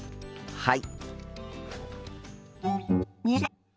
はい。